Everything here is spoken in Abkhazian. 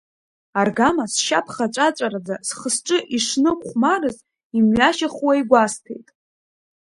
Аргама сшьа ԥхаҵәаҵәараӡа схы-сҿы ишнықәхәмарыз, имҩашьахуа игәасҭеит.